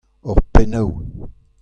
hor pennoù.